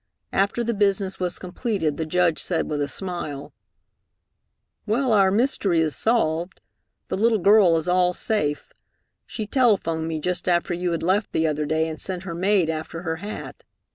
After the business was completed the Judge said with a smile, "Well, our mystery is solved. The little girl is all safe. She telephoned me just after you had left the other day, and sent her maid after her hat.